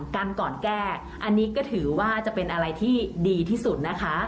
กันก่อนแก้อันนี้ก็ถือว่าจะเป็นอะไรที่ดีที่สุดนะคะ